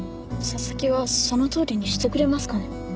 佐々木はその通りにしてくれますかね？